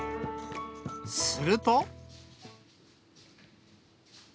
すると。